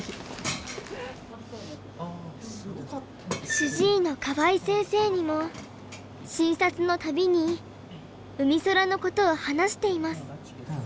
主治医の河合先生にも診察の度にうみそらのことを話しています。